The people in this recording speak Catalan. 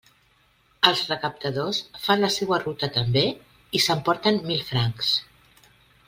Els recaptadors fan la seua ruta també i s'emporten mil francs.